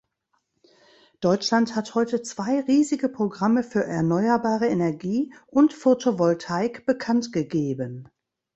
Deutschland hat heute zwei riesige Programme für erneuerbare Energie und Photovoltaik bekanntgegeben.